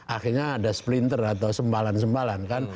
akhirnya ada splinter atau sembalan sembalan kan